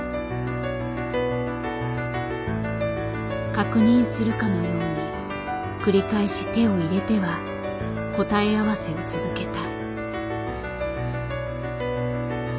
確認するかのように繰り返し手を入れては答え合わせを続けた。